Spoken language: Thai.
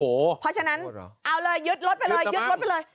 เพราะฉะนั้นเอาเลยยึดรถไปเลยยึดรถไปเลย